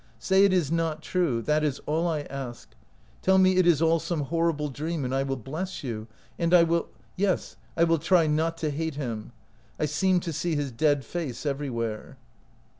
Say it is not true — that is all I ask. Tell me it is all some horrible dream, and I will bless you, and I will — yes, I will try not to hate him. I seemed to see his dead face everywhere."